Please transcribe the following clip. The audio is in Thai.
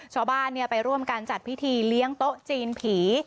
ชาวบ้านไปร่วมกันจัดพิธีเลี้ยงโต๊ะจีนผี